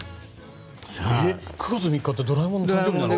９月３日ってドラえもんの誕生日なんだ。